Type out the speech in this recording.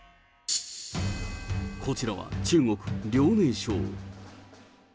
こちらは中国・遼寧省。